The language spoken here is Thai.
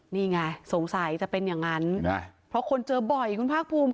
นี่ไงสงสัยจะเป็นอย่างนั้นเพราะคนเจอบ่อยคุณภาคภูมิ